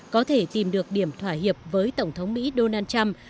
có thể tìm được điểm thỏa hiệp với tổng thống mỹ donald trump